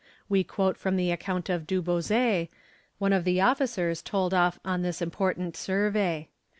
We quote from the account of Du Bouzet, one of the officers told off on this important survey.